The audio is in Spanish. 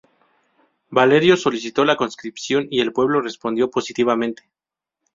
Valerio solicitó la conscripción y el pueblo respondió positivamente.